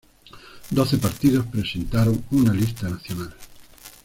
Doce partidos presentaron una lista nacional.